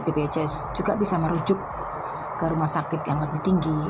bpjs juga bisa merujuk ke rumah sakit yang lebih tinggi